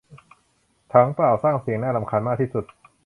ถังเปล่าสร้างเสียงน่ารำคาญมากที่สุด